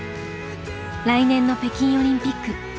来年の北京オリンピック。